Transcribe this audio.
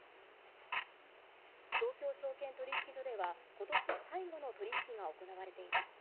東京証券取引所では今年最後の取引が行われています。